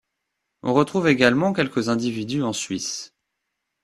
On retrouve également quelques individus en Suisse.